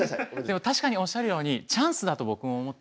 でも確かにおっしゃるようにチャンスだと僕も思っていて。